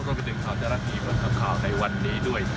รวมไปดึงข่าวจรัฐนี้บรรทับข่าวในวันนี้ด้วย